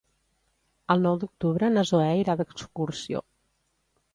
El nou d'octubre na Zoè irà d'excursió.